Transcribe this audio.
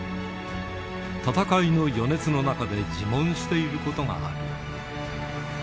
闘いの余熱の中で自問していることがある。